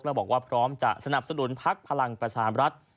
แล้วบอกว่าพร้อมจะสนับสนุนพักพลังประชามรัฐ